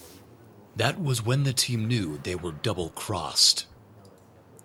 That was when the team knew they were double crossed.